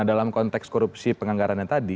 dalam konteks korupsi penganggarannya tadi